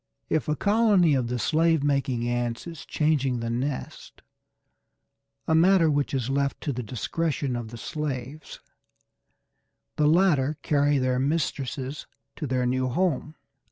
If a colony of the slave making ants is changing the nest, a matter which is left to the discretion of the slaves, the latter carry their mistresses to their new home.